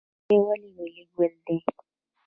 لاله ولې ملي ګل دی؟